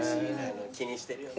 気にしてるよね。